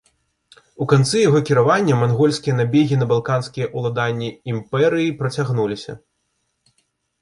У канцы яго кіравання мангольскія набегі на балканскія ўладанні імперыі працягнуліся.